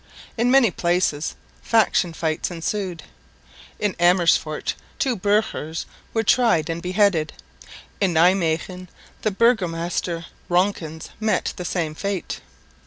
In many places faction fights ensued. In Amersfoort two burghers were tried and beheaded; in Nijmwegen the burgomaster, Ronkens, met the same fate.